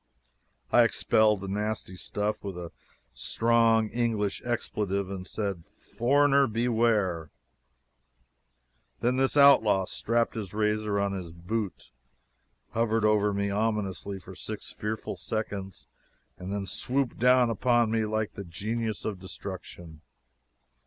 I expelled the nasty stuff with a strong English expletive and said, "Foreigner, beware!" Then this outlaw strapped his razor on his boot, hovered over me ominously for six fearful seconds, and then swooped down upon me like the genius of destruction.